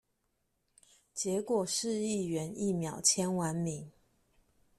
結果市議員一秒簽完名